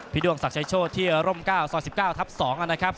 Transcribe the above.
พี่ด้วงศักดิ์ชัยโชธที่อร่มก้าว๒๙ทับ๒นะครับ